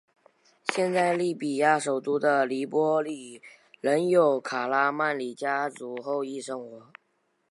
现在利比亚首都的黎波里仍有卡拉曼里家族后裔生活。